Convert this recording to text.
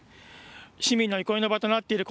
市民の憩いの場となっている